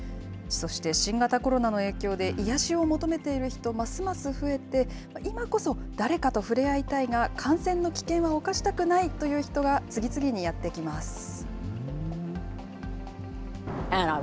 そして新型コロナの影響で癒やしを求めている人、ますます増えて、今こそ誰かと触れ合いたいが、感染の危険は冒したくないという人が次々にやって来ます。